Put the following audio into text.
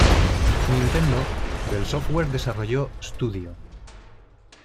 Nintendo del software desarrollo Studio